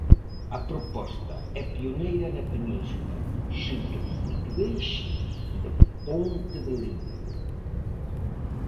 A proposta é pioneira na península xunto co portugués de Ponte de Lima.